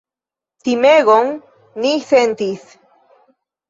Timegon ni sentis!